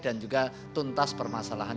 dan juga untuk menjaga kemampuan kebutuhan